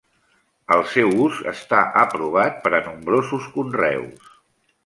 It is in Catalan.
El seu ús està aprovat per a nombrosos conreus.